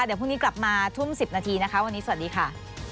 เดี๋ยวพรุ่งนี้กลับมาทุ่ม๑๐นาทีนะคะวันนี้สวัสดีค่ะ